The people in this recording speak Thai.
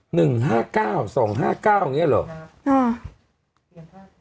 หนึ่งห้าเก้าสองห้าเก้าอย่างเงี้เหรอค่ะ